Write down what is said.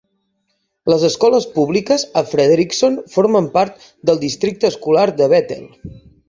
Les escoles públiques a Frederickson formen part del districte escolar de Bethel.